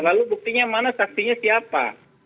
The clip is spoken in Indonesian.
lalu buktinya mana saksinya siapa